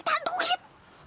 kita ke dukun